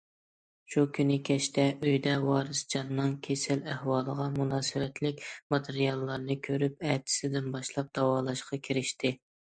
شۇ كۈنى كەچتە ئۆيدە ۋارىسجاننىڭ كېسەل ئەھۋالىغا مۇناسىۋەتلىك ماتېرىياللارنى كۆرۈپ، ئەتىسىدىن باشلاپ داۋالاشقا كىرىشتىم.